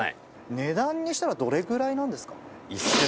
値段にしたらどれぐらいなんですか？